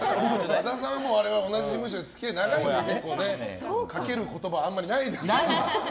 和田さんは我々同じ事務所で付き合い長いのでね。かける言葉はあまりないです。